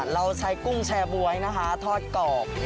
เราใช้กุ้งแชร์บ๊วยนะคะทอดกรอบ